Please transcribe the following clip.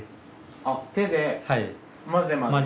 あっ手でまぜまぜ。